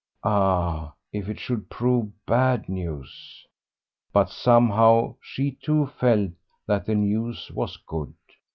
Ah, if it should prove bad news! But somehow she too felt that the news was good.